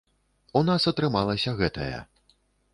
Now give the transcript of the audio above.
У нас атрымалася гэтая.